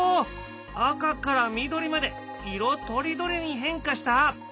赤から緑まで色とりどりに変化した！